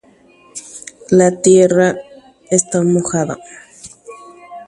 Yvy he'õ asy